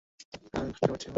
হ্যাঁ, আমি বুঝতে পারছি, মা।